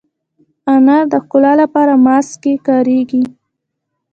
انار د ښکلا لپاره ماسک کې کارېږي.